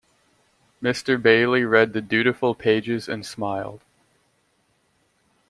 Mr. Bailey read the dutiful pages and smiled.